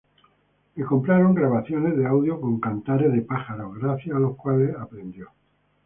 Le compraron grabaciones de audio con cantares de pájaros, gracias a los cuales aprendió.